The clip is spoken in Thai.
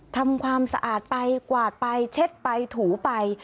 ทำความสะอาดไปกวาดไปเช็ดไปถูไป